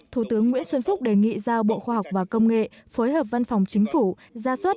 thủ tướng nguyễn xuân phúc đề nghị giao bộ khoa học và công nghệ phối hợp văn phòng chính phủ ra soát